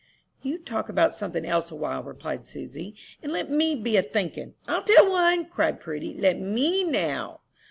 "You talk about something else a while," replied Susy, "and let me be a thinkin'." "I'll tell one," cried Prudy, "let me, now."